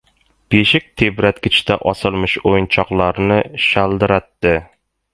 Beshik tebratgichda osilmish o‘yinchoqlarni shaldiratdi.